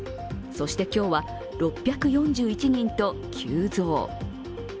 そして今日は６４１人と急増。